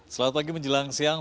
selamat pagi menjelang siang